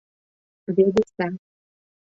Ведеса.